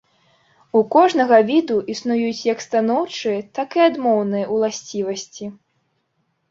У кожнага віду існуюць як станоўчыя, так і адмоўныя ўласцівасці.